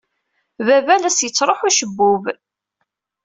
Baba la as-yettṛuḥu ucebbub.